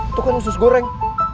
itu kan sus goreng